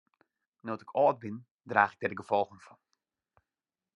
No't ik âld bin draach ik dêr de gefolgen fan.